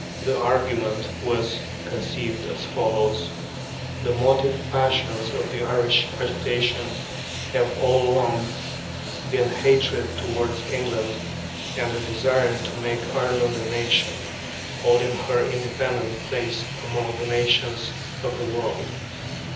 The argument was conceived as follows: "The motive passions of the Irish agitation have all along been hatred toward England and a desire to make Ireland a nation, holding her independent place among the nations of the world.